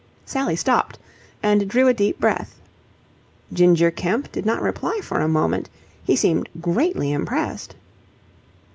Sally stopped and drew a deep breath. Ginger Kemp did not reply for a moment. He seemed greatly impressed.